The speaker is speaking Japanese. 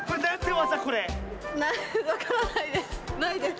わからないです。